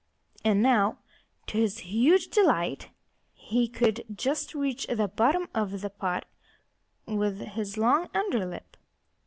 And now, to his huge delight, he could just reach the bottom of the pot with his long under lip.